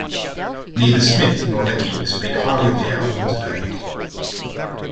Neither Smith nor Leckie speak highly of the album today.